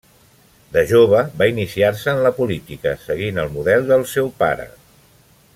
De jove va iniciar-se en la política seguint el model del seu pare.